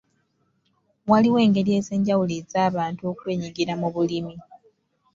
Waliwo engeri ez'enjawulo ez'abantu okwenyigira mu bulimi.